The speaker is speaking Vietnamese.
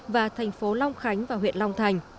và thành phố long khánh và huyện long thành